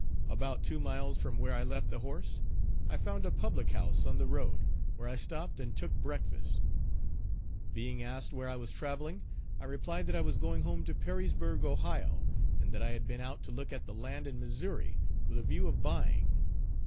About two miles from where I left the horse, I found a public house on the road, where I stopped and took breakfast. Being asked where I was traveling, I replied that I was going home to Perrysburgh, Ohio, and that I had been out to look at the land in Missouri, with a view of buying.